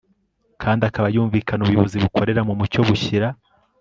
kandi akaba yumvikana. ubuyobozi bukorera mu mucyo bushyira